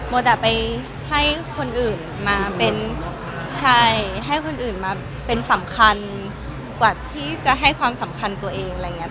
ไปให้คนอื่นมาเป็นใช่ให้คนอื่นมาเป็นสำคัญกว่าที่จะให้ความสำคัญตัวเองอะไรอย่างนี้